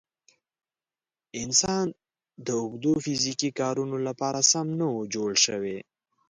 انسان د اوږدو فیزیکي کارونو لپاره سم نه و جوړ شوی.